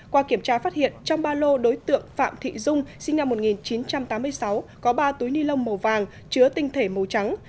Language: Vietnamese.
qua kiểm tra phát hiện trong ba lô đối tượng phạm thị dung sinh năm một nghìn chín trăm tám mươi sáu có ba túi ni lông màu vàng chứa tinh thể màu trắng